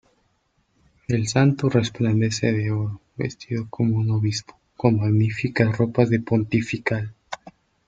El santo resplandece de oro, vestido como un obispo, con magníficas ropas de pontifical.